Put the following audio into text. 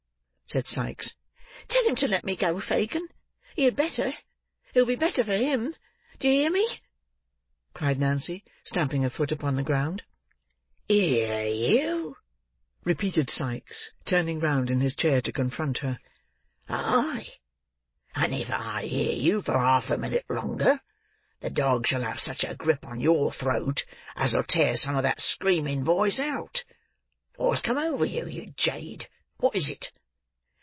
said Sikes. "Tell him to let me go, Fagin. He had better. It'll be better for him. Do you hear me?" cried Nancy stamping her foot upon the ground. "Hear you!" repeated Sikes turning round in his chair to confront her. "Aye! And if I hear you for half a minute longer, the dog shall have such a grip on your throat as'll tear some of that screaming voice out. Wot has come over you, you jade! Wot is it?"